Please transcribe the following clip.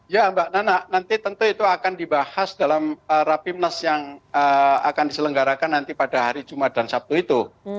ya mbak nana nanti tentu itu akan dibahas dalam rapimnas yang akan diselenggarakan nanti pada hari jumat dan sabtu itu